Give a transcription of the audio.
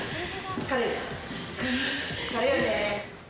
疲れるよね。